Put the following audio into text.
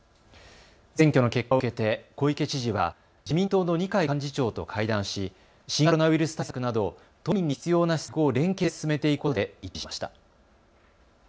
選挙の結果を受けて小池知事は自民党の二階幹事長と会談し新型コロナウイルス対策など都民に必要な施策を連携して進めていくことで一致しました。